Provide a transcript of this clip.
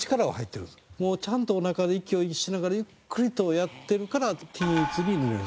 もうちゃんとおなかで息をしながらゆっくりとやってるから均一に塗れるという。